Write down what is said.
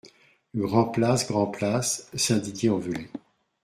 Grand Place Grand Place, Saint-Didier-en-Velay